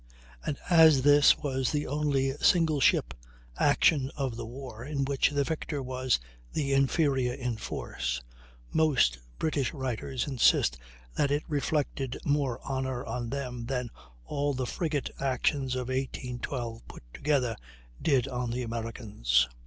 and as this was the only single ship action of the war in which the victor was the inferior in force, most British writers insist that it reflected more honor on them than all the frigate actions of 1812 put together did on the Americans.